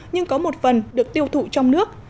nhưng có một phần được tiêu thụ trong nước